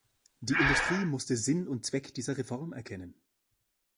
Die Industrie musste Sinn und Zweck dieser Reform erkennen.